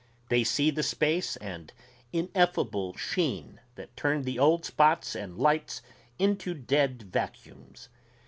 they see the space and ineffable sheen that turn the old spots and lights into dead vacuums.